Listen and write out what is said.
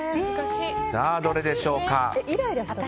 さあ、どれでしょうか。